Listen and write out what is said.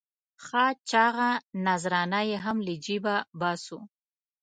ښه چاغه نذرانه یې هم له جېبه باسو.